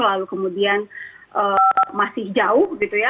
lalu kemudian masih jauh